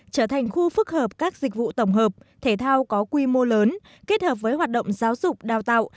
trở thành khu phức hợp các dịch vụ tổng hợp thể thao có quy mô lớn kết hợp với hoạt động giáo dục đào tạo